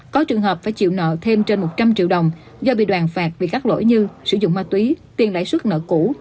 có trường hợp phải chịu nợ thêm trên một trăm linh triệu đồng do bị đoàn phạt vì các lỗi như sử dụng ma túy tiền lãi suất nợ cũ